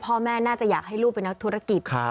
พ่อแม่น่าจะอยากให้ลูกเป็นนักธุรกิจ